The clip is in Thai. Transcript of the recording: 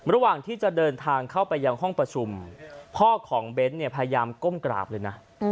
ระหว่างที่จะเดินทางเข้าไปยังห้องประชุมพ่อของเบ้นเนี่ยพยายามก้มกราบเลยนะ